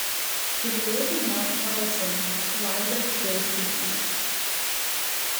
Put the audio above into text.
The village of Mount Charleston lies at its base to the east.